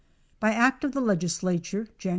By act of the Legislature, Jan.